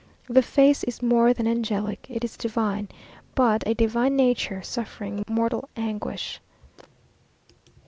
The face is more than angelic it is divine; but a divine nature, suffering mortal anguish.